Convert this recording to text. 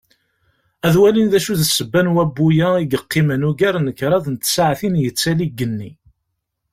Ad walin d acu d ssebba n wabbu-a i yeqqimen ugar n kraḍ n tsaɛtin yettali deg yigenni.